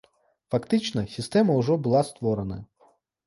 Фактычна, сістэма ўжо была створаная.